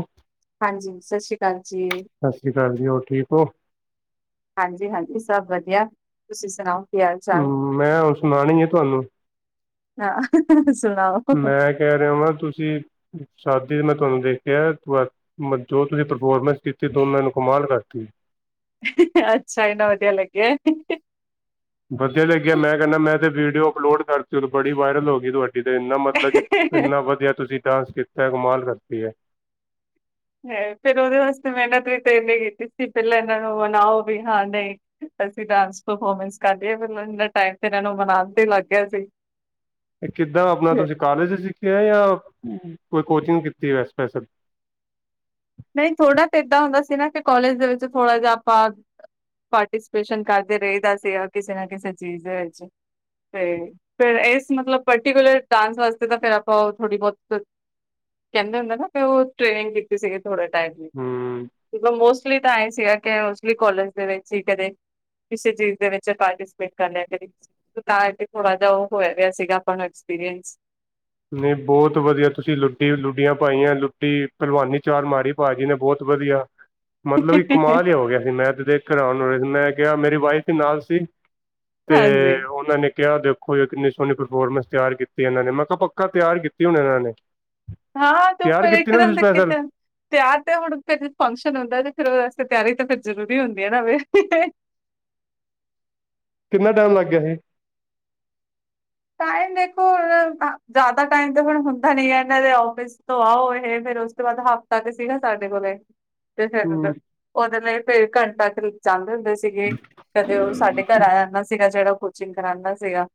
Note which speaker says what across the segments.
Speaker 1: ਉ
Speaker 2: ਹਾਂਜੀ ਸਤਿ ਸ਼੍ਰੀ ਅਕਾਲ ਜੀ
Speaker 1: ਸਤਿ ਸ਼੍ਰੀ ਅਕਾਲ ਜੀ ਹੋਰ ਠੀਕ ਹੋ
Speaker 2: ਹਾਂਜੀ ਹਾਂਜੀ ਸਭ ਵਧੀਆ ਤੁਸੀਂ ਸੁਣਾਓ ਹਾਲ ਚਾਲ?
Speaker 1: ਮੈਂ ੳਹ ਸੁਣਾਉਣੀ ਏ ਤੁਹਾਨੂੰ
Speaker 2: ਆਹ ਸੁਣਾਓ
Speaker 1: ਮੈਂ ਕਹਿ ਰਿਹਾ ਵਾਂ ਤੁਸੀਂ ਸ਼ਾਦੀ ਚ ਮੈਂ ਤੁਹਾਨੂੰ ਦੇਖਿਆ [unintelligible] ਮਨਜੋਤ ਦੀ ਪਰਫੋਰਮੈਂਸ ਕੀਤੀ ਤੂੰ ਉਹਨਾਂ ਨੂੰ ਕਮਾਲ ਕਰਤੀ
Speaker 2: ਅੱਛਾ ਇੰਨਾ ਵਧੀਆ ਲੱਗਿਆ
Speaker 1: ਵਧੀਆ ਲੱਗਿਆ ਮੈਂ ਕਹਿਣਾ ਮੈਂ ਤੇ ਵੀਡੀਓ ਅਪਲੋਡ ਕਰਤੀ ਉਹ ਤੇ ਬੜੀ ਵਾਇਰਲ ਹੋ ਗਈ ਤੁਹਾ [unintelligible] ਇੰਨਾ ਕਿ ਮਤਲ ਕੀ ਇੰਨਾ ਵਧੀਆ ਤੁਸੀਂ ਡਾਂਸ ਕੀਤਾ ਕਮਾਲ ਕਰਤੀ ਹੈ
Speaker 2: ਹੈ ਫਿਰ ਉਹਦੇ ਵਾਸਤੇ ਮੈ ਨਾ ਕੋਈ ਟਰੇਂਡ ਨੀ ਕੀਤੀ ਸੀ ਪਹਿਲਾਂ ਇਹਨਾਂ ਨੂੰ ਮਨਾਓ ਵੀ ਹਾਂ ਨਹੀਂ ਅਸੀਂ ਡਾਂਸ ਪਰਫੋਰਮੈਂਸ ਕਰ ਲਈਏ ਮੈਨੂੰ ਏਨਾ ਟਾਈਮ ਤੇ ਇਹਨਾਂ ਨੂੰ ਮਨਾਉਣ ਤੇ ਹੀ ਲੱਗ ਗਿਆ ਸੀ
Speaker 1: [inaudible] ਇਹ ਕਿੱਦਾਂ ਆਪਣਾ ਤੁਸੀਂ ਕਾਲਜ ਚ ਸਿੱਖਿਆ ਯਾਂ ਕੋਈ ਕੋਚਿੰਗ ਕੀਤੀ ਹੈ ਸਪੈਸਲ
Speaker 2: ਨਹੀਂ ਥੋੜਾ ਤਾਂ ਇੱਦਾਂ ਹੁੰਦਾ ਸੀ ਨਾ ਕਿ ਕੋਲੇਜ ਦੇ ਵਿੱਚ ਥੋੜ੍ਹਾ ਜਿਹਾ ਆਪਾਂ ਪਾਰਟੀਸਪੇਸ਼ਨ ਕਰਦੇ ਰਹੀਦਾ ਸੀਗਾ ਕਿਸੇ ਨਾ ਕਿਸੇ ਚੀਜ਼ ਦੇ ਵਿੱਚ ਤੇ ਫਿਰ ਇਸ ਮਤਲਬ ਪਰਟੀਕੁਲਰ ਡਾਂਸ ਵਾਸਤੇ ਤਾਂ ਫੇਰ ਆਪਾਂ ਉਹ ਥੋੜ੍ਹੀ ਬਹੁਤ ਕਹਿੰਦੇ ਹੁੰਦੇ ਨਾ ਕੀ ਉਹ ਟ੍ਰੇਨਿੰਗ ਕੀਤੀ ਸੀਗੀ ਥੋੜ੍ਹੇ ਟਾਈਮ ਲੀ
Speaker 1: ਹਮ
Speaker 2: [unintelligible] ਮੋਸਟਲੀ ਤਾਂ ਐ ਸੀਗਾ ਕਿ ਮੋਸਟਲੀ ਕੋਲੇਜ ਦੇ ਵਿੱਚ ਹੀ ਕਰੇ ਕਿਸੇ ਚੀਜ਼ ਦੇ ਵਿੱਚ ਪਾਰਟੀਸਪੇਟ ਕਰਲਿਆ ਕਦੀ ਤਾਂ ਕੇ ਥੋੜ੍ਹਾ ਜਿਹਾ ਉਹ ਹੋਇਆ ਗਿਆ ਸੀਗਾ ਆਪਾਂ ਨੂੰ ਐਕਸਪੀਰੀਅੰਸ
Speaker 1: ਨਹੀਂ ਬਹੁਤ ਵਧੀਆ ਤੁਸੀਂ ਲੁੱਟੀ, ਲੁੱਡੀਆਂ ਪਾਈਆਂ ਲੁੱਟੀ, ਪਲਵਾਨੀ ਚਾਰ ਮਾੜੀ ਭਾਜੀ ਨੇ, ਬਹੁਤ ਵਧੀਆ। [inaudible] ਮਤਲਬ ਕਿ ਕਮਾਲ ਹੀ ਹੋਗਿਆ ਸੀ, ਮੈਂ ਤੇ ਦੇਖਕੇ ਹੈਰਾਨ ਹੋਗਿਆ ਸੀ, ਮੈਂ ਕਿਹਾ, ਮੇਰੀ ਵਾਈਫ ਵੀ ਨਾਲ ਸੀ। ਤੇ,
Speaker 2: ਹਾਂਜੀ,
Speaker 1: ਉਹਨਾਂ ਨੇ ਕਿਹਾ ਦੇਖੋ ਇਹ ਕਿੰਨੀ ਸੋਹਣੀ ਪਰਫੋਰਮੈਂਸ ਤਿਆਰ ਕੀਤੀ ਇਹਨਾਂ ਨੇ, ਮੈਂ‌ ਕਾ ਪੱਕਾ ਤਿਆਰ ਕੀਤੀ ਹੋਣੀ ਨੇ, ਇਨ੍ਹਾਂ ਨੇ
Speaker 2: ਹਾਂ, ਤੂੰ
Speaker 1: ਤਿਆਰ
Speaker 2: ਪਰ
Speaker 1: ਕੀਤੀ ਨਾ ਤੁਸੀਂ
Speaker 2: ਇਕਦਮ
Speaker 1: ਸਪੈਸ਼ਲ
Speaker 2: ਦੇਖੇ'ਚ ਤਿਆਰ ਤੇ ਹੁਣ, ਫਿਰ ਫੰਕਸ਼ਨ ਹੁੰਦਾ ਤੇ ਫਿਰ ਉਹਦੇ ਵਾਸਤੇ ਤਿਆਰੀ ਤੇ ਫਿਰ ਜ਼ਰੂਰੀ ਹੁੰਦੀ ਏ ਨਾ ਫਿਰ।
Speaker 1: ਕਿੰਨਾ ਟਾਈਮ ਲੱਗ ਗਿਆ ਸੀ?
Speaker 2: ਟਾਈਮ ਦੇਖੋ, ਜ਼ਿਆਦਾ ਟਾਈਮ ਤੇ ਹੁਣ ਹੁੰਦਾ ਨੀ ਐ, ਇਹਨਾਂ ਦੇ ਆਫਿਸ ਤੋਂ ਆਓ, ਇਹ ਫੇਰ ਵੱਧ ਤੋ ਵਧ ਹਫ਼ਤਾ ਕ ਸੀ ਨਾ ਸਾਡੇ ਕੋਲੇ, ਤੇ
Speaker 1: ਹੂੰ
Speaker 2: ਫਿਰ ਉਹਦੇ ਲਈ ਫਿਰ ਘੰਟਾ ਚਾਹਣੇ ਹੁੰਦੇ ਸੀਗੇ, ਕਦੇ ਉਹ ਸਾਡੇ ਘਰ ਆ ਜਾਂਦਾ ਸੀਗਾ, ਜਿਹੜਾ ਕੋਚਿੰਗ ਕਰਾਂਦਾ ਸੀਗਾ।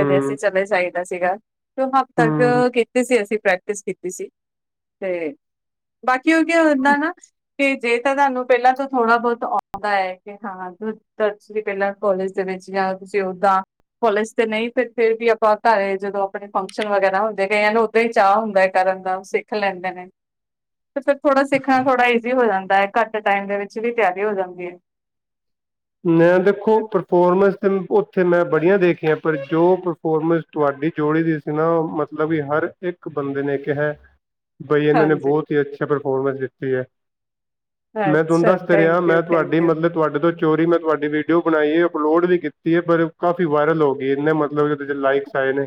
Speaker 2: ਕਦੇ ਅਸੀਂ ਚਲੇ ਜਾਈਦਾ ਸੀਗਾ, ਤੇ ਓ ਹਫਤਾ
Speaker 1: ਹੂੰ
Speaker 2: ਕ ਅਸੀਂ ਪ੍ਰੈਕਟਿਸ ਕੀਤੀ ਸੀ, ਤੇ ਬਾਕੀ ਉਹ ਕੀ ਹੁੰਦਾ ਨਾ ਤੇ, ਜੇ ਤਾਂ ਤੁਹਾਨੂੰ ਪਹਿਲਾਂ ਤੋਂ ਥੋੜਾ-ਬਹੁਤ ਆਉਂਦਾ ਏ ਹਾਂ, ਤੁਸੀਂ ਪਹਿਲਾਂ ਕੋਲੇਜ ਦੇ ਵਿੱਚ ਯਾ ਤੁਸੀਂ ਓਦਾਂ, ਕੋਲੇਜ ਤੇ ਨਹੀਂ ਫਿਰ ਫੇਰ ਵੀ ਆਪਾਂ ਘਰੇ ਜਦੋਂ ਆਪਣੇ ਫੰਕਸ਼ਨ ਵਗੈਰਾ ਹੁੰਦੇ ਗਏ ਕੲ ਕਈਆ ਨੁ ਓਦਾਂ ਹੀ ਚਾਹ ਹੁੰਦਾ ਹੈ ਕਰਨ ਦਾ, ਸਿੱਖ ਲੈਂਦੇ ਨ। ਤੇ ਫਿਰ ਥੋੜਾ ਸਿੱਖਣਾ ਥੋੜਾ ਈਜ਼ੀ ਹੋ ਜਾਂਦਾ ਏ, ਘੱਟ ਟਾਈਮ ਦੇ ਵਿੱਚ ਵੀ ਤਿਆਰੀ ਹੋ ਜਾਂਦੀ ਏ।
Speaker 1: ਮੈਂ ਦੇਖੋ, ਪਰਫੋਰਮੈਂਸ ਤੇ ਉੱਥੇ ਮੈਂ ਬੜੀਆਂ ਦੇਖੀਆਂ ਪਰ ਜੋ ਪੋਰਮੈਸ ਤੁਹਾਡੀ ਜੋੜੀ ਦੀ ਸੀ ਨਾ, ਮਤਲਬ ਕਿ ਹਰ ਇੱਕ ਬੰਦੇ ਨੇ ਕਿਹਾ ਬਈ ਇਹਨਾਂ ਨੇ
Speaker 2: ਹਾਂਜੀ
Speaker 1: ਬਹੁਤ ਈ ਅੱਛਾ ਪਰਫੋਰਮੈਂਸ ਦਿੱਤੀ ਐ। ਮੈਂ ਤੁਹਾਨੂੰ
Speaker 2: ਅੱਛਾ
Speaker 1: ਦੱਸ ਤਾ
Speaker 2: ਥੈਂਕ
Speaker 1: ਰਿਹਾਂ,
Speaker 2: ਯੂ
Speaker 1: ਮੈਂ
Speaker 2: ਥੈਂਕ
Speaker 1: ਤੁਹਾਡੀ
Speaker 2: ਯੂ
Speaker 1: ਮਤਲਬ, ਤੁਹਾਡੇ ਤੋਂ ਚੋਰੀ ਮੈਂ ਤੁਹਾਡੀ ਵੀਡੀਓ ਬਣਾਈ ਏ, ਅਪਲੋਡ ਵੀ ਕੀਤੀ ਏ, ਪਰ ਕਾਫ਼ੀ ਵਾਇਰਲ ਹੋ ਗਈ ਏ, ਇੰਨੇ ਮਤਲਬ ਇਦੇ'ਚ ਲਾਈਕਸ ਆਏ ਨੇ।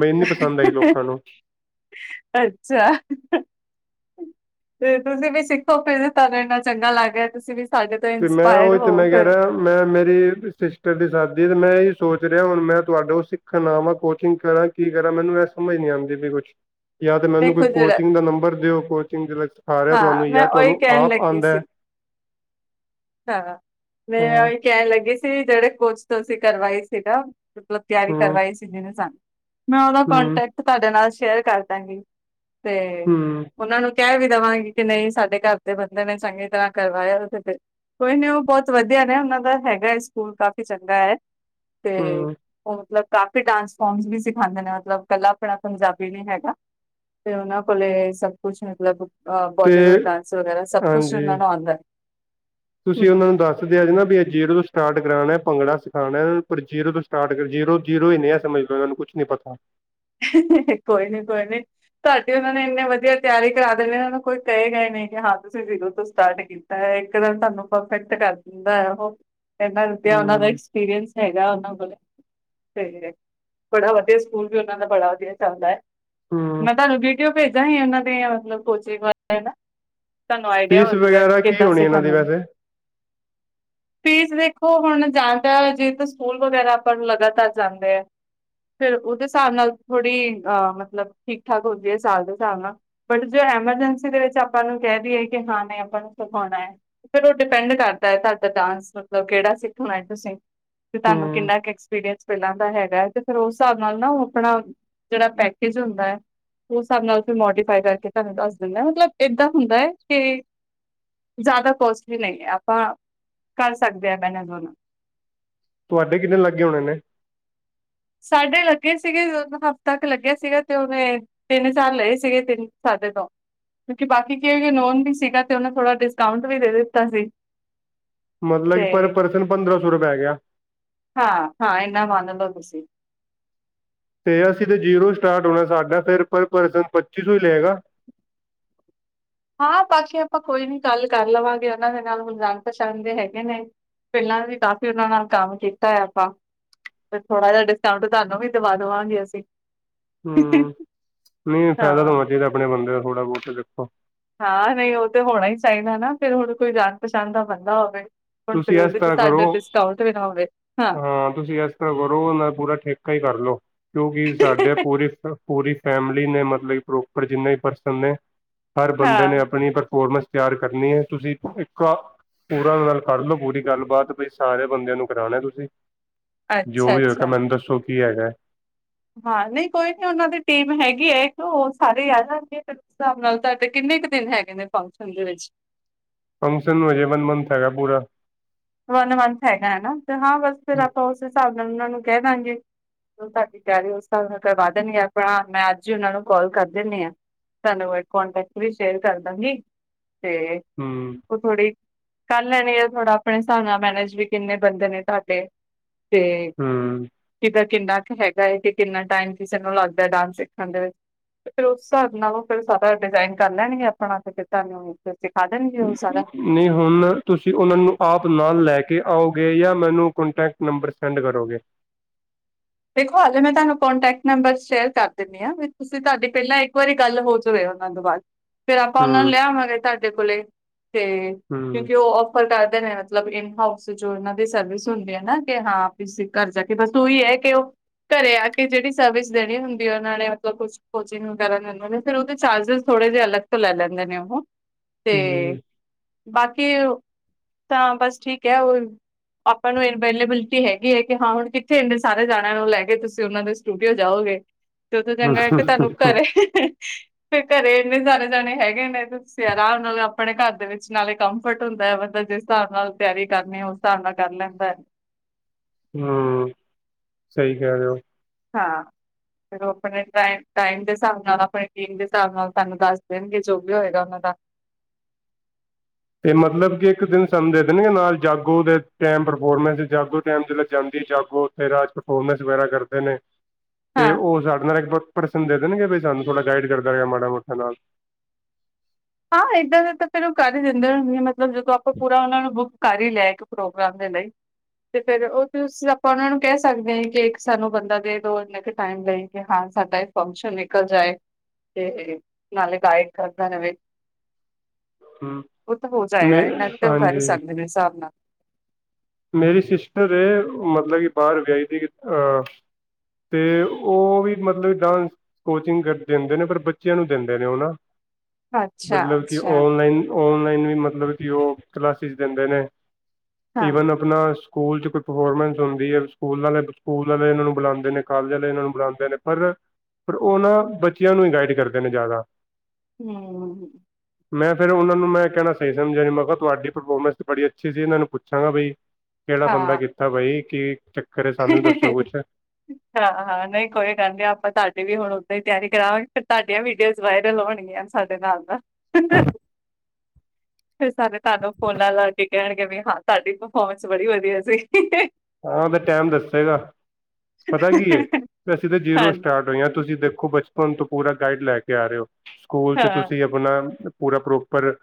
Speaker 1: ਮੈੰਨ ਨੀ ਪਸੰਦ ਆਈ ਲੋਕਾਂ ਨੂੰ।
Speaker 2: ਅੱਛਾ। ਤੇ ਤੁਸੀਂ ਵੀ ਸਿੱਖੋ ਫਿਰ, ਤੁਹਾਨੂੰ ਇੰਨਾ ਚੰਗਾ ਲੱਗ ਰਿਹਾ ਤੁਸੀਂ ਵੀ ਸਾਡੇ ਤੋਂ
Speaker 1: ਤੇ ਮੈਂ
Speaker 2: ਇੰਸਪਾਇਰ
Speaker 1: ਉਹੀ ਤੇ
Speaker 2: ਹੋਊ,
Speaker 1: ਮੈਂ ਕਹਿ
Speaker 2: ਫਿਰ।
Speaker 1: ਰਿਹਾ ਮੈਂ ਮੇਰੀ ਸਿਸਟਰ ਦੀ ਸਾਦੀ, ਤੇ ਮੈਂ ਇਹੀ ਸੋਚ ਰਿਹਾ, ਹੁਣ ਮੈਂ ਤੁਹਾਡੇ ਤੋ ਸਿੱਖਣ ਆਵਾਂ, ਕੋਚਿੰਗ ਕਰਾਂ ਕੀ ਕਰਾਂ ਮੈਨੂੰ ਐ ਸਮਝ ਨਹੀਂ ਆਂਦੀ ਪਈ ਕੁਛ, ਯਾ ਤਾਂ ਮੈਨੂੰ ਕੋਈ
Speaker 2: ਦੇਖੋ ਜਰਾ
Speaker 1: ਕੋਚਿੰਗ ਦਾ ਨੰਬਰ ਦਿਓ, ਕੋਚਿੰਗ ਦੇ ਵਿੱਚ
Speaker 2: ਹਾਂ, ਮੈਂ ਉਹੀ ਕਹਿਣ ਲੱਗੀ ਸੀ, ਹਾ, ਮੈਂ
Speaker 1: ਹਾਂ
Speaker 2: ਉਹੀ ਕਹਿਣ ਲੱਗੀ ਸੀ ਜਿਹੜੇ ਕੋਰਸ ਤੁਸੀਂ ਕਰਵਾਈ ਸੀਨਾ, ਮਤਲਬ ਤਿਆਰੀ
Speaker 1: ਹੂੰ
Speaker 2: ਕਰਵਾਈ ਸੀ ਜਿਹਨੇ ਸਾਨੂੰ ਮੈਂ ਉਹਦਾ
Speaker 1: ਹੂੰ
Speaker 2: ਕੋਨਟੈਕਟ ਤੁਹਾਡੇ ਨਾਲ ਸ਼ੇਅਰ ਕਰ ਦਾਂਗੀ, ਤੇ
Speaker 1: ਹੂੰ
Speaker 2: ਉਹਨਾਂ ਨੂੰ ਕਹਿ ਵੀ ਦੇਵਾਂਗੀ ਕਿ ਨਹੀਂ, ਸਾਡੇ ਘਰ ਦੇ ਬੰਦੇ ਨੇ ਚੰਗੀ ਤਰ੍ਹਾਂ ਕਰਵਾਇਆ ਤੇ ਫੇਰ ਕੋਈ ਨਹੀਂ ਉਹ ਬਹੁਤ ਵਧੀਆ ਨੇ, ਉਹਨਾਂ ਦਾ ਹੈਗਾ ਹੈ ਸਕੂਲ ਕਾਫ਼ੀ ਚੰਗਾ ਐ, ਤੇ
Speaker 1: ਹੂੰ
Speaker 2: ਉਹ ਮਤਲਬ ਕਾਫੀ ਡਾਂਸ ਫੋਮਸ ਵੀ ਸਿਖਾਂਦੇ ਨੇ ਮਤਲਬ, ਕੱਲਾ ਅਪਣਾ ਪੰਜਾਬੀ ਨੀ ਹੈਗਾ। ਤੇ ਉਹਨਾਂ ਕੋਲੇ, ਸਭ ਕੁਛ ਮਤਲਬ ਅਹ
Speaker 1: ਤੇ
Speaker 2: ਬੋਲੀਵੁੱਡ ਡਾਂਸ ਵਗੈਰਾ ਸਭ ਕੁਛ
Speaker 1: ਹਾਂਜੀ
Speaker 2: ਉਹਨਾਂ ਨੂੰ ਆਂਦਾ।
Speaker 1: ਤੁਸੀਂ ਉਹਨਾਂ ਨੂੰ ਦੱਸ ਦੱਸਦੇ ਆ ਨਾ ਵੀ ਇਹ ਜੀਰੋ ਤੋਂ ਸਟਾਰਟ ਕਰਾਣਾ, ਭੰਗੜਾ ਸਿੱਖਾਂਣਾ, ਪਰ ਜੀਰੋ ਤੋਂ ਸਟਾਰਟ ਜੀਰੋ, ਜੀਰੋ ਹੀੰ ਨੀ ਆ ਸਮਝਲੋ ਇਹਨਾਂ ਨੂੰ। ਕੁਛ ਨਹੀਂ ਪਤਾ‌।
Speaker 2: ਕੋਈ ਨੀ, ਕੋਈ ਨੀ। ਤੁਹਾਡੀ ਉਹਨਾਂ ਨੇ ਇੰਨੇ ਵਧੀਆ ਤਿਆਰੀ ਕਰਾ ਦੇਨੀ, ਉਹਨਾਂ ਨੂੰ ਕੋਈ ਕਹੇਗਾ ਈ ਨਹੀਂ, ਕਿ ਹਾਂ ਤੁਸੀਂ ਜੀਰੋ ਤੋਂ ਸਟਾਰਟ ਕਿ ਤਾਂ ਇੱਕਦਮ ਤੁਹਾਨੂੰ ਪਰਫੈਕਟ ਕਰ ਦਿੰਦਾ ਉਹ, ਇਹਨਾਂ [unintelligible] ਉਹਨਾਂ ਦਾ
Speaker 1: ਹੂੰ
Speaker 2: ਅਕਸ ਪੀਰੀਅੰਸ ਹੈਗਾ ਉਹਨਾਂ ਕੋਲ, ਤੇ ਬੜਾ ਵਧੀਆ ਸਕੂਲ ਵੀ ਉਹਨਾਂ ਦਾ ਬੜਾ ਵਧੀਆ ਚੱਲਦਾ ਏ,
Speaker 1: ਹੂੰ
Speaker 2: ਮੈਂ ਤੁਹਾਨੂੰ ਵੀਡੀਓ ਭੇਜਾਂਗੀ, ਉਹਨਾਂ ਦੀ ਮਤਲਬ ਕੋਚਿੰ ਹੇਣਾ
Speaker 1: ਫੀਸ ਵਗੈਰਾ ਕੀ ਹੋਣੀ ਇਹਨਾਂ ਦੀ ਵੈਸੇ?
Speaker 2: ਫੀਸ ਵੇਖੋ ਹੁਣ ਜਾਂ ਤਾਂ ਜੇ ਤਾਂ ਸਕੂਲ ਵਗੈਰਾ ਆਪਾ ਨੂੰ ਲਗਾਤਾਰ ਜਾਂਦੇ ਆ। ਫਿਰ ਉਹਦੇ ਹਿਸਾਬ ਨਾਲ ਥੋੜ੍ਹੀ ਅਹ ਮਤਲਬ ਠੀਕ ਠਾਕ ਹੁੰਦੀ ਹੈ ਸਾਲ ਦੇ ਹਿਸਾਬ ਨਾਲ, ਬਟ ਜੋ ਐਮਰਜੈਂਸੀ ਦੇ ਵਿੱਚ ਆਪਾਂ ਨੂੰ ਕਹਿ ਦਈਏ ਕਿ ਹਾਂ ਨਹੀਂ ਆਪਾਂ ਨੂੰ ਸਿਖਾਉਣਾ ਹੈ। ਫੇਰ ਉਹ ਡਿਪੈਂਡ ਕਰਦਾ ਹੈ ਤੁਹਾਡਾ ਡਾਂਸ ਮਤਲਬ ਕਿਹੜਾ ਸਿੱਖਣਾ ਹੈ ਤੁਸੀਂ, ਤੇ ਤੁਹਾਨੂੰ
Speaker 1: ਹੂੰ
Speaker 2: ਕਿੰਨਾ ਕੁ ਐਕਸਪੀਰੀਅੰਸ ਪਹਿਲਾਂ ਦਾ ਹੈਗਾ ਹੈ। ਤੇ ਫਿਰ ਉਸ ਹਿਸਾਬ ਨਾਲ ਨਾ ਓਹ, ਆਪਣਾ ਜਿਹੜਾ ਪੈਕੇਜ ਹੁੰਦਾ ਹੈ। ਉਸ ਹਿਸਾਬ ਨਾਲਂ ਫੇਰ ਮੋਡੀਫਾਈ ਕਰਕੇ ਤੁਹਾਨੂੰ ਦੱਸ ਦਿਨਾ ਮਤਲਬ ਏਦਾਂ ਹੁੰਦਾ ਹੈ ਕਿ, ਜ਼ਿਆਦਾ ਕੋਸਟ ਵੀ ਨਹੀਂ ਹੈ ਆਪਾਂ ਕਰ ਸਕਦੇ ਹਾਂ ਪੈਨਜ਼ੋਨ,
Speaker 1: ਤੁਹਾਡੇ ਕਿੰਨੇ ਲੱਗੇ ਹੋਣੇ ਨੇ,
Speaker 2: ਸਾਡੇ ਲੱਗੇ ਸੀਗੇ ਦ ਹਫ਼ਤਾ ਲੱਗਿਆ ਸੀਗਾ ਤੇ ਉਹਨੇ, ਤਿੰਨ ਚਾਰ ਲਏ ਸੀਗੇ ਤਿੰਨ ਸਾਡੇ ਤੋਂ, ਕਿਉਂਕਿ ਬਾਕੀ ਕੀ ਏ ਕਿ ਨੋਨ ਵੀ ਸੀਗਾ ਤੇ ਉਹੇ ਥੋੜਾ ਡਿਸਕਾਊਂਟ ਵੀ ਦੇ ਦਿੱਤਾ ਸੀ,
Speaker 1: ਮਤਲਬ ਕਿ
Speaker 2: ਤੇ
Speaker 1: ਪਰ ਪਰਸਨ ਪੰਦਰਾਂ ਸੌ ਰੁਪਇਆ ਪੈ ਗਿਆ।
Speaker 2: ਹਾਂ ਹਾਂ ਇੰਨਾ ਮੰਨ ਲਓ ਤੁਸੀ,
Speaker 1: ਤੇ ਅਸੀਂ ਤਾਂ ਜੀਰੋ ਸਟਾਰਟ ਹੋਣਾ ਸਾਡਾ ਫਿਰ ਪਰ ਪਰਸਨ ਪੱਚੀ ਸੌ ਹੀ ਲਏਗਾ,
Speaker 2: ਹਾਂ ਬਾਕੀ ਆਪਾਂ ਕੋਈ ਨੀ ਗੱਲ ਕਰ ਲਵਾਂਗੇ ਉਹਨਾਂ ਦੇ ਨਾਲ ਹੁਣ ਜਾਣ ਪਛਾਣ ਦੇ ਹੈਗੇ ਨੇ, ਪਹਿਲਾਂ ਵੀ ਕਾਫ਼ੀ ਉਹਨਾਂ ਨਾਲ ਕੰਮ ਕੀਤਾ ਹੈ ਆਪਾਂ, ਤੇ ਥੋੜਾ ਜਿਹਾ ਡਿਸਕਾਊਂਟ ਤੁਹਾਨੂੰ ਵੀ ਦਵਾ ਦੇਵਾਂਗੇ ਅਸੀਂ,
Speaker 1: ਹਮ, ਨਹੀਂ ਫਾਇਦਾ ਤਾਂ
Speaker 2: ਹਾਂ
Speaker 1: ਹੋਣਾ ਚਾਹੀਦਾ ਆਪਣੇ ਬੰਦੇ ਦਾ ਥੋੜ੍ਹਾ ਬਹੁਤ ਦੇਖੋ,
Speaker 2: ਹਾਂ ਨਹੀਂ ਉਹ ਤਾਂ ਹੋਣਾ ਹੀ ਚਾਹੀਦਾ ਨਾ ਫਿਰ ਹੁਣ ਕੋਈ ਜਾਣ ਪਛਾਣ ਦਾ ਬੰਦਾ ਹੋਵੇ। ਹੁਣ ਫਿਰ
Speaker 1: ਤੁਸੀਂ ਇਸ
Speaker 2: ਉਹਦੇ ਚ
Speaker 1: ਤਰ੍ਹਾਂ
Speaker 2: ਸਾਡਾ
Speaker 1: ਕਰੋ
Speaker 2: ਡਿਸਕਾਊਂਟ ਵੀ ਨਾ,
Speaker 1: ਹਾਂ ਤੁਸੀਂ ਇਸ ਤਰ੍ਹਾਂ ਕਰੋ ਉਨ੍ਹਾਂ ਦਾ ਪੂਰਾ ਠੇਕਾ ਹੀ ਕਰ ਲਓ, ਕਿਉਂਕਿ ਸਾਡੇ ਪੂਰੀ ਪੂਰੀ ਫੈਮਿਲੀ ਨੇ ਮਤਲਬ ਪ੍ਰੋਪਰ ਜਿੰਨੇ ਵੀ ਪਰਸਨ ਨੇ ਹਰ ਬੰਦੇ
Speaker 2: ਹਾਂ
Speaker 1: ਨੇ ਆਪਣੀ ਪਰਫੋਰਮੈਂਸ ਤਿਆਰ ਕਰਨੀ ਹੈ ਤੁਸੀਂ ਇੱਕ ਪੂਰਾ ਕਰ, ਕਰ ਲਓ ਪੂਰੀ ਗੱਲਬਾਤ ਬਾਈ ਸਾਰੇ ਬੰਦਿਆਂ ਨੂੰ ਕਰਾਉਣੇ ਤੁਸੀਂ ਜੋ
Speaker 2: ਅੱਛਾ
Speaker 1: ਵੀ ਹੋਏਗਾ
Speaker 2: ਅੱਛਾ
Speaker 1: ਮੈਨੂੰ ਦੱਸੋ। ਕੀ ਹੈਗਾ।
Speaker 2: ਹਾਂ ਨਹੀਂ ਕੋਈ ਨੀ ਉਹਨਾਂ ਦੀ ਟੀਮ ਹੈਗੀ ਹੈ, ਇਕ ਉਹ ਸਾਰੇ ਆ ਜਾਣਗੇ ਫੇਰ ਹਿਸਾਬ ਨਾਲ ਤੁਹਾਡੇ ਕਿੰਨੇ ਕ ਦਿਨ ਹੈਗੇ ਨੇ ਫੰਕਸ਼ਨ ਦੇ ਵਿੱਚ।
Speaker 1: ਫੰਕਸ਼ਨ ਨੂੰ ਹਜੇ ਵਨ ਮੰਥ ਹੈਗਾ ਪੂਰਾ।
Speaker 2: ਵਨ ਮੰਥ ਹੈਗਾ ਨਾ ਹੈ, ਤੇ ਹਾਂ ਬਸ ਫਿਰ
Speaker 1: ਹੂੰ
Speaker 2: ਆਪਾਂ ਉਸ ਹਿਸਾਬ ਨਾਲ ਉਹਨਾਂ ਨੂੰ ਕਹਿ ਦਾਂਗੇ। ਤੁਹਾਡੀ ਤਿਆਰੀ ਉਸ ਹਿਸਾਬ ਨਾਲ ਕਰਵਾ ਦੇਂਨੀ ਆ ਪਰ ਮੈਂ ਅੱਜ ਹੀ ਉਹਨਾਂ ਨੂੰ ਕੋਲ ਕਰ ਦਿੰਨੀ ਹਾਂ। ਤੁਹਾਨੂੰ ਇਕ ਕੋਂਟੈਕਟ ਵੀ ਸ਼ੇਅਰ ਕਰ ਦਾਂਗੀ ਤੇ
Speaker 1: ਹਮ।
Speaker 2: ਉਹ ਥੋੜ੍ਹੀ ਕਰ ਲੈਣੀ ਆ ਥੋੜਾ ਆਪਣੇ ਹਿਸਾਬ ਨਾਲ ਮੈਨੇਜ ਕਿੰਨੇ ਬੰਦੇ ਨੇ ਤੁਹਾਡੇ। ਤੇ,
Speaker 1: ਹੂੰ।
Speaker 2: ਕਿਦਾ ਕਿੰਨਾ ਹੈਗਾ ਹੈ ਕਿ ਕਿੰਨਾ ਟਾਈਮ ਕਿਸੇ ਨੂੰ ਲੱਗਦਾ ਡਾਂਸ ਸਿੱਖਣ ਦੇ ਵਿੱਚ‌। ‌‍‌ ਤੇ ਫਿਰ ਉਸ ਹਿਸਾਬ ਨਾਲੋਂ ਫਿਰ ਸਾਰਾ ਡਿਜ਼ਾਇਨ ਕਰ ਲੈਣਗੇ ਆਪਣਾ ਤੇ ਫੇਰ ਤੁਹਾਨੂੰ ਫੇਰ ਸਿਖਾ ਦੇਣਗੇ ਉਹ ਸਾਰਾ।
Speaker 1: ਨਹੀਂ ਹੁਣ ਤੁਸੀਂ ਉਹਨਾਂ ਨੂੰ ਆਪ ਨਾਲ ਲੈ ਕੇ ਆਓਗੇ ਜਾਂ ਮੈਨੂੰ ਕਟੈਕਟ ਨੰਬਰ ਸੈਂਡ ਕਰੋਗੇ।
Speaker 2: ਦੇਖੋ ਹਾਲੇ ਮੈਂ ਤੁਹਾਨੂੰ ਕੋਂਟੈਕਟ ਨੰਬਰ ਸ਼ੇਅਰ ਕਰ ਦਿੰਨੀ ਆ ਹਾਂ ਫੇਰ ਤੁਸੀਂ ਤੁਹਾਡੀ ਪਹਿਲਾਂ ਇੱਕ ਵਾਰੀ ਗੱਲ ਹੋ ਜਾਵੇ। ਫਿਰ ਆਪਾਂ ਉਹਨਾਂ ਨੂੰ
Speaker 1: ਹੂੰ
Speaker 2: ਲੈ ਆਵਾਂਗੇ ਤੁਹਾਡੇ ਕੋਲੇ ਤੇ
Speaker 1: ਹੂੰ
Speaker 2: ਕਿਉਂਕਿ ਉਹ ਕੋਲ ਕਰਦੇ ਨੇ ਮਤਲਬ ਇਨ ਹਾਊਸ ਜੋ ਇਹਨਾਂ ਦੀ ਸਰਵਿਸ ਹੁੰਦੀ ਹੈ, ਨਾ ਕਿ ਹਾਂ ਇਸ ਘਰ ਜਾ ਕੇ ਬਸ ਉਹੀ ਹੈ। ਕੀ ਉਹ ਘਰੇ ਆ ਕੇ ਜਿਹੜੀ ਸਰਵਿਸ ਦੇਣੀ ਹੁੰਦੀ ਹੈ। ਉਹਨਾਂ ਨੇ ਮਤਲਬ ਕੁਛ ਕੋਚਿੰਗ ਵਗੈਰਾ ਲੈਂਦੇ ਨੇ ਫਿਰ ਉਹਦੇ ਚਾਰਜਿਸ ਥੋੜੇ ਜਹੇ ਅਲੱਗ ਤੋਂ ਲੈ ਲੈਂਦੇ ਨੇ ਉਹ ਤੇ ਬਾਕੀ ਤਾਂ ਬਸ ਠੀਕ ਐ, ਉਹ ਆਪਾਂ ਨੂੰ ਅਵੇਲੇਬਿਲਿਟੀ ਹੈਗੀ ਐ ਕਿ ਕਿੱਥੇ ਇੰਡ ਸਾਰੇ ਜਾਣਿਆਂ ਨੂੰ ਲੈ ਕੇ ਤੁਸੀਂ ਉਹਨਾਂ ਦੇ ਸਟੂਡੀਓ ਜਾਓਗੇ, ਤੇ ਉਥੋਂ ਚੰਗਾ ਕਿ ਤੁਹਾਨੂੰ
Speaker 1: ਹੂੰ
Speaker 2: ਘਰੇ
Speaker 1: [inaudible]
Speaker 2: ਫੇਰ ਘਰੇ ਇੰਨੇ ਸਾਰੇ ਜਾਣੇ ਹੈਗੇ ਨੇ ਤੁਸੀਂ ਆਰਾਮ ਨਾਲ ਆਪਣੇ ਘਰ ਦੇ ਵਿੱਚ ਨਾਲੇ ਕੰਫਰਟ ਹੁੰਦਾ ਐ ਬੰਦਾ ਜਿਸ [unintelligible] ਹਿਸਾਬ ਨਾਲ ਤਿਆਰੀ ਕਰਨੀ ਉਸ ਹਿਸਾਬ ਨਾਲ ਕਰ ਲੈਂਦਾ।
Speaker 1: ਹੂੰ, ਸਹੀ ਕਹਿ ਰੇ ਔ
Speaker 2: ਹਾਂ। ਫਿਰ ਉਹ ਆਪਣੇ ਟਾਈਮ ਟਾਈਮ ਦੇ ਹਿਸਾਬ ਨਾਲ ਆਪਣੀ ਟੀਮ ਦੇ ਹਿਸਾਬ ਨਾਲ ਤੁਹਾਨੂੰ ਦੱਸ ਦੇਣਗੇ ਜੋ ਵੀ ਹੋਏਗਾ ਉਹਨਾਂ ਦਾ
Speaker 1: ਤੇ ਮਤਲਬ ਕਿ ਇੱਕ ਦਿਨ ਸਾਨੂੰ ਦੇ ਦੇਣਗੇ ਨਾਲ ਜਾਗੋ ਦੇ ਟਾਈਮ ਪਰਫੋਰਮੈਂਸ ਜਾਗੋ ਟਾਈਮ ਜਲੇ ਜਾਂਦੀ ਜਾਗੋ ਫਿਰ ਰਾਹ ਚ ਪਰਫੋਰਨੈਂਸ ਵਗੈਰਾ ਕਰਦੇ ਨੇ। ਤੇ
Speaker 2: ਹਾਂ।
Speaker 1: ਉਹ ਸਾਡੇ ਨਾਲ ਇੱਕ ਪਰਸਨ ਦੇ ਦੇਣਗੇ ਬਈ ਸਾਨੂੰ ਥੋੜ੍ਹਾ ਗਾਈਡ ਕਰਦਾ ਮਾੜਾ ਮੋਟਾ ਨਾਲ।
Speaker 2: ਹਾਂ ਇੱਦਾਂ ਦਾ ਤਾਂ ਫੇਰ ਉਹ ਕਰ ਈ ਦਿੰਦੇ ਮਤਲਬ ਜਦੋਂ ਆਪਾਂ ਪੂਰਾ ਉਹਨਾਂ ਨੂੰ ਬੁੱਕ ਕਰ ਈ ਲਿਆ ਕਿਉ ਪ੍ਰੋਗਰਾਮ ਦੇ ਲਈ। ਤੇ ਫੇਰ ਉਹ [unintelligible] ਆਪਾਂ ਉਹਨਾਂ ਨੂੰ ਕਹਿ ਸਕਦੇ ਆ, ਕਿ ਇੱਕ ਸਾਨੂੰ ਬੰਦਾ ਦੇ ਦੋ ਇੰਨਾ ਕਿ ਟਾਈਮ ਲਈ। ਹਾਂ ਸਾਡਾ ਇੱਕ ਫੰਕਸ਼ਨ ਨਿਕਲ ਜਾਏ, ਤੇ ਨਾਲੇ ਗਾਈਡ ਕਰਦਾ ਰਵੇ
Speaker 1: ਹੂੰ,
Speaker 2: ਉਹ ਤਾਂ ਹੋ ਜਾਏਗਾ
Speaker 1: ਮੇ
Speaker 2: ਇਹਨਾ ਤੇ ਉਹ ਕਰ ਈ
Speaker 1: ਹਾਂਜੀ
Speaker 2: ਸਕਦੇ ਨੇ ਹਿਸਾਬ ਨਾਲ‌।
Speaker 1: ਮੇਰੀ ਸਿਸਟਰ ਐ ਮਤਲਬ ਕਿ ਬਾਰ ਗਈ ਦੀ ਅ ਅਤੇ ਉਹ ਵੀ ਮਤਲਬ ਡਾਂਸ ਕੋਚਿੰਗ ਦਿੰਦੇ ਨੇ ਪਰ ਬੱਚਿਆਂ ਨੂੰ ਦਿੰਦੇ ਨੇ ਉਹ ਨਾ
Speaker 2: ਅੱਛਾ ਅੱਛਾ,
Speaker 1: [unintelligible] ਔਲਾਈਨ ਵੀ ਮਤਲਬ ਕੀ ਉਹ ਕਲਾਸਿਸ ਦਿੰਦੇ ਨੇ
Speaker 2: ਹਾਂ
Speaker 1: ਇਵਨ ਆਪਣਾ ਸਕੂਲ ਚ ਕੋਈ ਪਰਫੋਰਮੈਂਸ ਹੁੰਦੀ ਐ ਸਕੂਲ ਵਾਲੇ ਸਕੂਲ ਵਾਲੇ ਇਹਨਾਂ ਨੂੰ ਬੁਲਾਦੇ ਨੇ ਕਾਲਜ ਵਾਲੇ ਇਹਨਾਂ ਨੂੰ ਬੁਲਾਦੇ ਨੇ। ਪਰ ਪਰ ਉਹ ਨਾ ਬੱਚਿਆਂ ਨੂੰ ਗਾਈਡ ਕਰਦੇ ਨੇ ਜ਼ਿਆਦਾ।
Speaker 2: ਹੂੰ,
Speaker 1: ਮੈਂ ਫਿਰ ਉਹਨਾਂ ਨੂੰ ਮੈਂ ਕਹਿਣਾ ਸਹੀ ਸਮਝਿਆ ਮੈਂ ਕਿਹਾ ਤੁਹਾਡੀ ਪਰਫੋਰਮੈਂਸ ਤਾਂ ਬੜੀ ਅੱਛੀ ਸੀ ਇਹਨਾਂ ਨੂੰ ਪੁੱਛਾਂਗਾ ਬਈ। ਕਿਹੜਾ ਬੰਦਾ ਕੀਤਾ ਬਾਈ ਕਿ
Speaker 2: [inaudible] ਹਾਂ ਹਾਂ ਨਈ ਕੋਈ ਗੱਲ ਨੀ ਆਪਾਂ ਤੁਹਾਡੀ ਵੀ ਹੁਣ ਓਦਾਂ ਈ ਤਿਆਰੀ ਕਰਾਵਾਂਗੇ ਫੇਰ ਤੁਹਾਡੀਆਂ ਵੀਡੀਓਜ਼ ਵਾਇਰਲ ਹੋਣਗੀਆਂ। ਸਾਡੇ ਨਾਲ ਦਾ, ਫਿਰ ਸ ਸਾਨੂੰ ਫੋਨਾਂ ਲਾ ਕੇ ਕਹਿਣਗੇ ਵੀ ਹਾਂ ਤਹਾਡੀ ਪਰਫੋਰਮੈਂਸ ਬੜੀ ਵਧੀਆ ਸੀ।
Speaker 1: ਹਾਂ ਉਹ ਤੇ ਟੈਮ ਦੱਸੇਗਾ ਪਤਾ ਕੀ ਏ ਅਸੀਂ ਤਾਂ ਜੀਰੋ
Speaker 2: ਹਾਂ
Speaker 1: ਸਟਾਰਟ [unintelligible] ਤੁਸੀਂ ਦੇਖੋ ਬਚਪਨ ਤੋਂ ਪੂਰਾ ਗਾਈਡ ਲੈ ਕੇ ਆ ਰਹੇ ਹੋ ਸਕੂਲ ਚ
Speaker 2: ਹਾਂ
Speaker 1: ਤੁਸੀਂ ਹੁਣ ਅ ਪੂਰਾ ਪ੍ਰੋਪਰ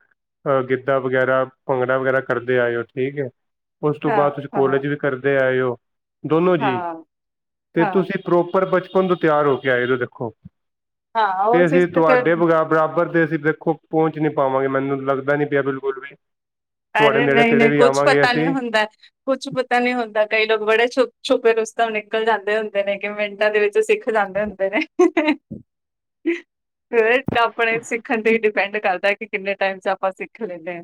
Speaker 1: ਅ ਗਿੱਧਾ ਵਗੈਰਾ ਭੰਗੜਾ ਵਗੈਰਾ ਕਰਦੇ ਆਏ ਔ ਠੀਕ ਐ। ਉਸ ਤੋਂ
Speaker 2: ਹਾਂ
Speaker 1: ਬਾਦ ਤੁਸੀਂ
Speaker 2: ਹਾਂ
Speaker 1: ਕੋਲਜ ਵੀ ਕਰਦੇ ਆਏ ਓ ਦੋਨੋ ਜੀ,
Speaker 2: ਹਾਂ,
Speaker 1: ਤੇ
Speaker 2: ਹਾਂ,
Speaker 1: ਤੁਸੀਂ ਪ੍ਰੋਪਰ ਬਚਪਨ ਤੋਂ ਤਿਆਰ ਹੋ ਕੇ ਆਏ ਨੇ ਦੇਖੋ
Speaker 2: ਹਾਂ ਉਹ
Speaker 1: ਤੇ ਅਸੀਂ
Speaker 2: ਚੀਜ਼ ਤਾਂ ਫਿਰ
Speaker 1: ਤੁਹਾਡੇ ਵਗਾ ਬਰਾਬਰ ਤੇ ਅਸੀਂ ਦੇਖੋ ਪਹੁੰਚ ਨੀ ਪਾਵਾਂਗੇ ਮੈਨੂੰ ਲੱਗਦਾ ਨੀ ਪਿਆ ਬਿਲਕੁਲ ਵੀ ਤੁਹਾਡੇ
Speaker 2: ਅਰੇ
Speaker 1: ਨੇੜੇ
Speaker 2: ਨਈ
Speaker 1: ਤੇੜੇ
Speaker 2: ਨਈ
Speaker 1: ਵੀ
Speaker 2: ਕੁੱਛ
Speaker 1: ਆਵਾਂਗੇ
Speaker 2: ਪਤਾ ਨੀ
Speaker 1: ਅਸੀਂ
Speaker 2: ਹੁੰਦਾ। ਕੁਛ ਪਤਾ ਨੀ ਹੁੰਦਾ ਕਈ ਲੋਕ ਬੜੇ ਛੋ ਛੁਪੇ ਰਸਤਮ ਨਿਕਲ ਜਾਂਦੇ ਹੁੰਦੇ ਨੇ ਕਿ ਮਿੰਟਾਂ ਦੇ ਵਿੱਚ ਸਿੱਖ ਸਿਖ ਜਾਦੇ ਹੁਦੇ ਨੇ, ਫਿਰ ਆਪਣੇ ਸਿੱਖਣ ਤੇ ਪਿੰਡ ਕਰਦਾ ਕਿ ਕਿੰਨੇ ਟਾਈਮ ਚ ਆਪਾਂ ਸਿੱਖ ਲੈਂਨੇ ਆ।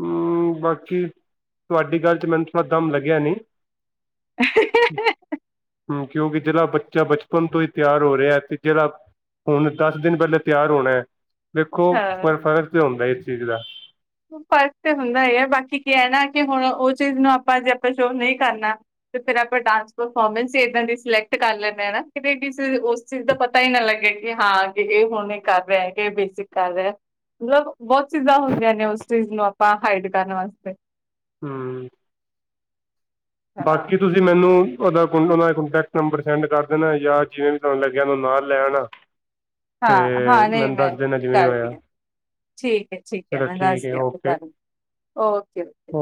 Speaker 1: ਹੂੰ ਬਾਕੀ, ਤੁਹਾਡੀ ਗੱਲ 'ਚ ਮੈਨੂੰ ਥੋੜਾ ਦਮ ਲੱਗਿਆ ਨੀ। ਹੂੰ, ਕਿਉਂਕਿ ਜਿਹੜਾ ਬੱਚਾ ਬਚਪਨ ਤੋਂ ਹੀ ਤਿਆਰ ਹੋ ਰਿਹਾ ਤੇ ਜਿਹੜਾ ਹੁਣ ਦਸ ਦਿਨ ਪਹਿਲਾਂ ਤਿਆਰ ਹੋਣਾ ਐ ਦੇੇਖੋ
Speaker 2: ਹਾਂ।
Speaker 1: ਪਰ ਫਰਕ ਤਾਂ ਹੁੰਦਾ ਇਸ ਚੀਜ਼ ਦਾ
Speaker 2: ਫਰਕ ਤੇ ਹੁੰਦਾ ਹੀ ਹੈ ਬਾਕੀ ਕੀ ਹੈਣਾ ਕਿ ਹੁਣ ਉਹ ਚੀਜ਼ ਨੂੰ ਆਪਾਂ ਜੇ ਆਪਾਂ ਸ਼ੋ ਨਹੀਂ ਕਰਨਾ ਤੇ ਫਿਰ ਆਪਾਂ ਡਾਂਸ ਪਰਫੋਰਮੈਂਸ ਈ ਏਦਾਂ ਦੀ ਸਿਲੈਕਟ ਕਰ ਲੈਂਣੇ ਆ ਨਾ ਬਹੀਏ ਕਿਸੇ ਉਸ ਚੀਜ਼ ਦਾ ਪਤਾ ਹੀ ਨਾ ਲੱਗਿਆ ਕਿ ਹਾਂ ਕਿ ਇਹ ਹੁਣ ਇਹ ਕਰ ਰਿਹਾ ਕਿ ਇਹ ਬੇਸਿਕ ਕਰ ਰਿਹਾ ਮਤਲਬ ਬਹੁਤ ਚੀਜ਼ਾਂ ਹੁੰਦੀਆਂ ਨੇ ਉਸ ਚੀਜ਼ ਨੂੰ ਆਪਾਂ ਹਾਈਡ ਕਰਨ ਵਾਸਤੇ
Speaker 1: ਹਮ
Speaker 2: ਹਾਂ
Speaker 1: ਬਾਕੀ ਤੁਸੀਂ ਤੁਸੀਂ ਮੈਨੂੰ ਉਹਦਾ ਉਹਨਾਂ ਦਾ ਕੋਂਟੈਕਟ ਨੰਬਰ ਸੈਂਡ ਕਰ ਦੇਣਾ ਜਾਂ ਜਿਵੇਂ ਵੀ ਤੁਹਾਨੂੰ ਲੱਗਿਆ ਉਹ ਨੂੰ ਨਾਲ ਲੈਣ ਆ ਟ
Speaker 2: ਹਾਂ ਹਾਂ ਨਹੀਂ ਮੈਂ
Speaker 1: ਵੀ ਹੋਇਆ
Speaker 2: ਕਰਦੀ ਆ ਠੀਕ ਹੈ ਠੀਕ ਹੈ
Speaker 1: ਚਲੋ
Speaker 2: ਮੈਂ
Speaker 1: ਠੀਕ ਹੈ
Speaker 2: ਦੱਸਦੀ ਆਪ
Speaker 1: ਓਕੇ
Speaker 2: ਕਰਨ ਓਕੇ ਓਕੇ